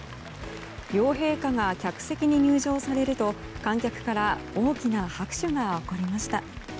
両陛下が客席に入場されると観客から大きな拍手が起こりました。